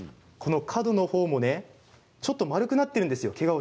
角のほうもちょっと丸くなっているんですよね。